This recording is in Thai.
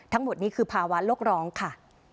ทั้งหมดนี้คือภาวะโลกร้องค่ะ